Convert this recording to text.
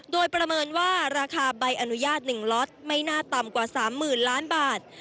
โดยประเมินว่าราคาใบอนุญาต๑ล็อตไม่น่าต่ำกว่า๓๐๐๐ล้านบาท